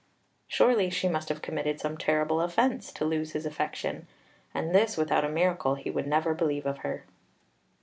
Surely she must have committed some terrible offence to lose his affection, and this, without a miracle, he would never believe of her.